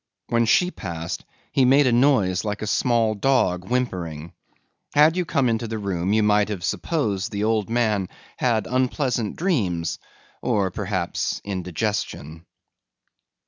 When she passed he made a noise like a small dog whimpering. Had you come into the room you might have supposed the old man had unpleasant dreams or perhaps indigestion.